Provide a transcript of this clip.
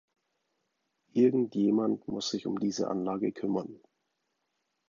Irgend jemand muss sich um diese Anlage kümmern.